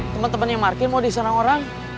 teman teman yang parkir mau diserang orang